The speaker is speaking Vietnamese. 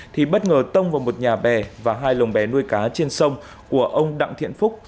thì bất ngờ tông vào một nhà bè và hai lồng bè nuôi cá trên sông của ông đặng thiện phúc